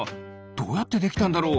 どうやってできたんだろう？